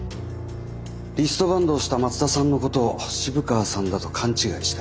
リストバンドをした松田さんのことを渋川さんだと勘違いした。